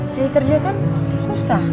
cari kerja kan susah